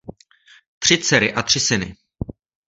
Tři dcery a tři syny.